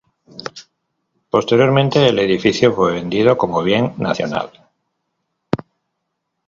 Posteriormente el edificio fue vendido como bien nacional.